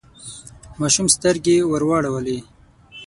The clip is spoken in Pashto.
ماشوم سترګې ورواړولې.